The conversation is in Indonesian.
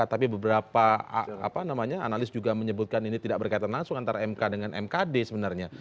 tapi beberapa analis juga menyebutkan ini tidak berkaitan langsung antara mk dengan mkd sebenarnya